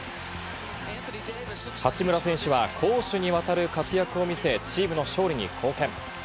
八村選手は攻守にわたる活躍を見せ、チームの勝利に貢献。